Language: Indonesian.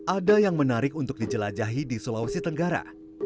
ada yang menarik untuk dijelajahi di sulawesi tenggara